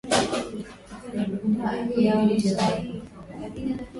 ni edwin david ndeketela na makala ya habari